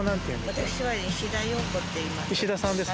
私は石田洋子っていいます。